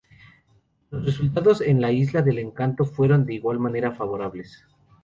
Los resultados en la Isla del Encanto fueron de igual manera favorables.